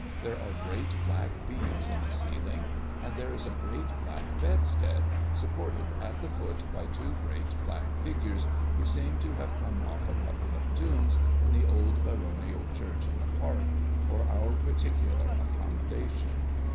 There are great black beams in the ceiling, and there is a great black bedstead, supported at the foot by two great black figures, who seem to have come off a couple of tombs in the old baronial church in the park, for our particular accommodation.